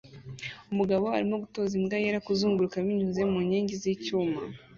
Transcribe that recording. Umugore arimo gutoza imbwa yera kuzunguruka binyuze mu nkingi z'icyuma